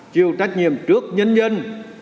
chịu trách nhiệm trước nhân dân